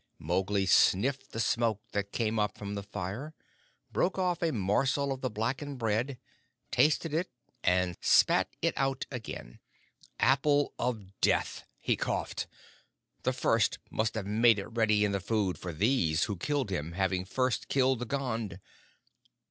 Mowgli sniffed the smoke that came up from the fire, broke off a morsel of the blackened bread, tasted it, and spat it out again. "Apple of Death," he coughed. "The first must have made it ready in the food for these, who killed him, having first killed the Gond."